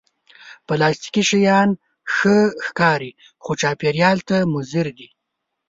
پلاستيکي شیان ښه ښکاري، خو چاپېریال ته مضر دي